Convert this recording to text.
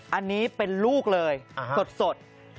อันนี้เป็นลูกเลยสด